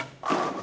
あっ！